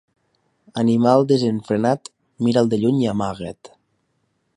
Animal desenfrenat, mira'l de lluny i amagat.